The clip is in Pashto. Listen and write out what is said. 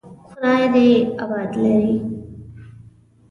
خدای دې آباد لري.